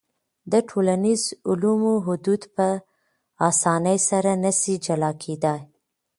د ټولنیزو علومو حدود په اسانۍ سره نسي جلا کېدای.